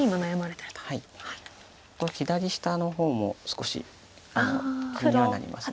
左下の方も少し気にはなります。